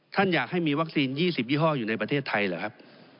อยากให้มีวัคซีน๒๐ยี่ห้ออยู่ในประเทศไทยเหรอครับ